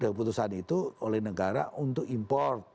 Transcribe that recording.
dan keputusan itu oleh negara untuk import